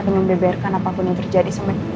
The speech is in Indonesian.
dan membeberkan apapun yang terjadi semenit ini